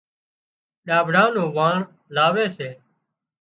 ڏاڀڙا نُون واڻ لاوي سي